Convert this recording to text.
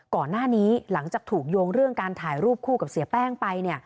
หลังจากถูกโยงเรื่องการถ่ายรูปคู่กับเสียแป้งไป